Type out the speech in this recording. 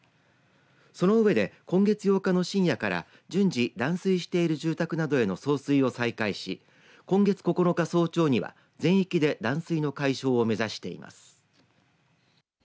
その上で、今月８日の深夜から順次断水している住宅などへの送水を再開し、今月９日早朝には全域で断水の解消を目指しています。